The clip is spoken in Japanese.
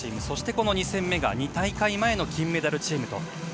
そしてこの２戦目が２大会前の金メダルチームと。